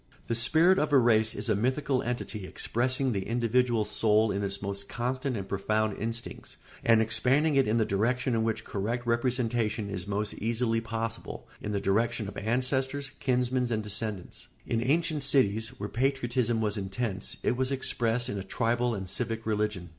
] The spirit of a race is a mythical entity expressing the individual soul in its most constant and profound instincts and expanding it in the direction in which correct representation is most easily possible, in the direction of ancestors, kinsmen, and descendants. In ancient cities, where patriotism was intense, it was expressed in a tribal and civic religion.